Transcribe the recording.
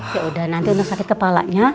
yaudah nanti untuk sakit kepalanya